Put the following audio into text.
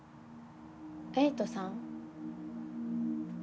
エイトさん？